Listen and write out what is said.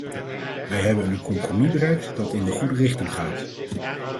Wij hebben een compromis bereikt, dat in de goede richting gaat.